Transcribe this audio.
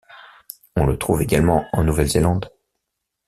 On le trouve également en Nouvelle-Zélande.